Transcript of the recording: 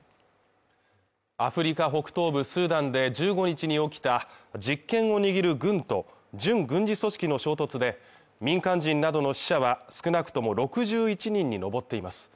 アフリカ北東部スーダンで１５日に起きた実権を握る軍と準軍事組織の衝突で民間人などの死者は少なくとも６１人に上っています。